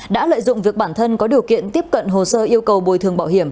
đã lợi dụng việc bản thân có điều kiện tiếp cận hồ sơ yêu cầu bồi thường bảo hiểm